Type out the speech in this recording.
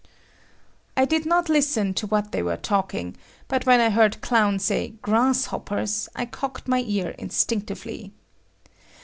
I did not listen to what they were talking, but when I heard Clown say "grasshoppers," I cocked my ear instinctively.